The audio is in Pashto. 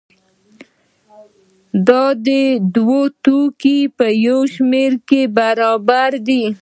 دا دوه توکي په یو شي کې برابر دي.